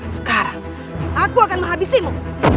sekarang aku akan menghabisimu